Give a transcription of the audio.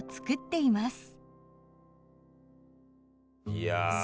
いや。